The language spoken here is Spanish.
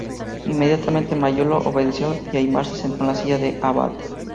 Inmediatamente Mayolo obedeció y Aimar se sentó en la silla del abad.